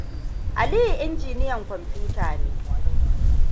Aliyu injiniyan kwamfuta ne.